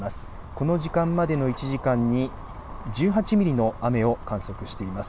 この時間までの１時間に１８ミリの雨を観測しています。